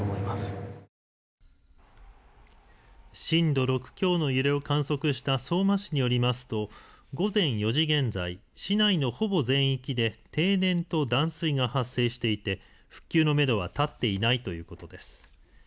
震度６強の揺れを観測した相馬市によりますと午前４時現在、市内のほぼ全域で停電と断水が発生していて復旧のめどは立っていないということです。